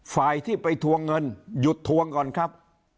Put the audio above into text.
ฝ่ายที่ไปทวงเงินหยุดทวงก่อนครับ